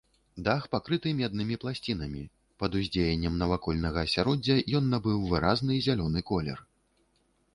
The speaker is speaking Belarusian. Дах пакрыты меднымі пласцінамі, пад уздзеяннем навакольнага асяроддзя ён набыў выразны зялёны колер.